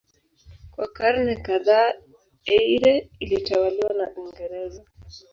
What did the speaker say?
Kwa karne kadhaa Eire ilitawaliwa na Uingereza.